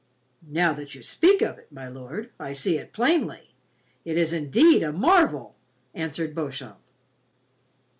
"Now that you speak of it, My Lord, I see it plainly. It is indeed a marvel," answered Beauchamp.